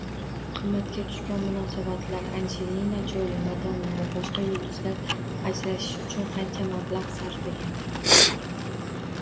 Qimmatga tushgan munosabatlar: Anjelina Joli, Madonna va boshqa yulduzlar ajrashish uchun qancha mablag‘ sarflagan?